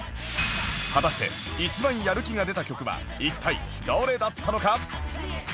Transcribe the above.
果たして一番やる気が出た曲は一体どれだったのか？